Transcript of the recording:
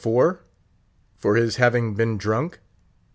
for his having been drunk?